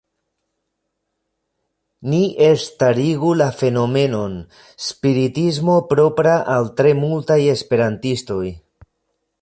Ni elstarigu la fenomenon “spiritismo propra al tre multaj esperantistoj.